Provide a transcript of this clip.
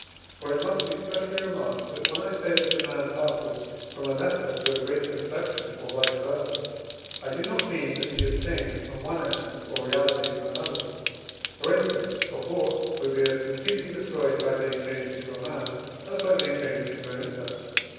For it must be specially remarked that, when I say that a man passes from a lesser to a greater perfection, or vice versâ, I do not mean that he is changed from one essence or reality to another; for instance, a horse would be as completely destroyed by being changed into a man, as by being changed into an insect.